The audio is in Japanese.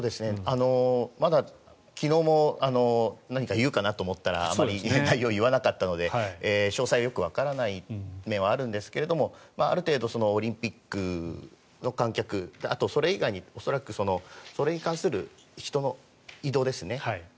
まだ、昨日も何か言うかなと思ったらあまり内容を言わなかったので詳細はよくわからない面はあるんですがある程度、オリンピックの観客それ以外に恐らくそれに関する人の移動ですね。